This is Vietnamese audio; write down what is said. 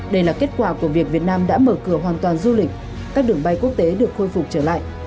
đây là kết quả của việc việt nam đã mở cửa hoàn toàn du lịch các đường bay quốc tế được khôi phục trở lại